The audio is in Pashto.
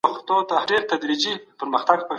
وزیرانو به کارګرانو ته د کار حق ورکوی.